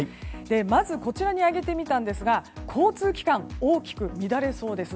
まずこちらに挙げてみたんですが交通機関が大きく乱れそうです。